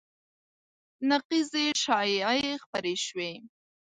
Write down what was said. نقیضې شایعې خپرې شوې